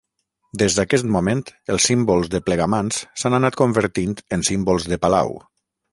Des d'aquest moment, els símbols de Plegamans s'han anat convertint en símbols de Palau.